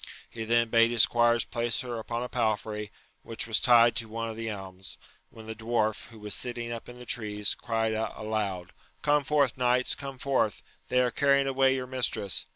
— He then bade his squires place her upon a palfrey which was tied to one of the elms : when the dwarf, who was sitting up in the tree, cried out aloud. Come forth, knights, come forth ! they are carrying away your mistress